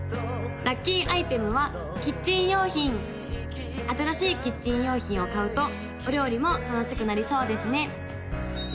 ・ラッキーアイテムはキッチン用品新しいキッチン用品を買うとお料理も楽しくなりそうですね